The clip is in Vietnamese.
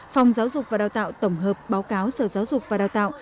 phòng giáo dục và đào tạo tổng hợp báo cáo sở giáo dục và đào tạo